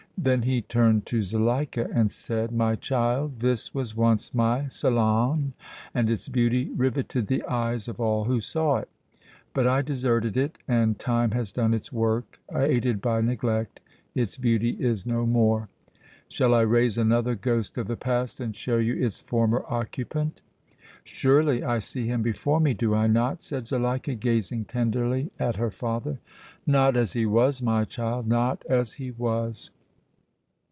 Then he turned to Zuleika and said: "My child, this was once my salon and its beauty riveted the eyes of all who saw it, but I deserted it and time has done its work, aided by neglect its beauty is no more! Shall I raise another ghost of the past and show you its former occupant?" "Surely, I see him before me, do I not?" said Zuleika, gazing tenderly at her father. "Not as he was, my child, not as he was.